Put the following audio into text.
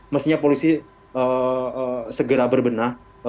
mestinya polisi segera berbenah